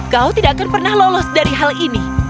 kau tidak akan pernah lolos dari hal ini